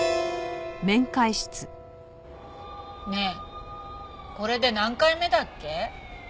ねえこれで何回目だっけ？